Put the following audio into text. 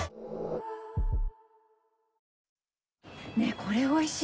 これおいしい。